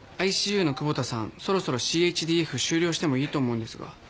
ＩＣＵの久保田さんそろそろＣＨＤＦ終了してもいいと思うんですが。